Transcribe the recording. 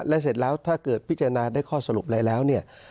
และเสร็จแล้วถ้าเกิดพิจารณาได้ข้อสรุปอะไรแล้วเนี่ย